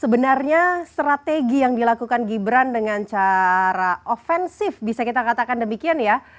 sebenarnya strategi yang dilakukan gibran dengan cara ofensif bisa kita katakan demikian ya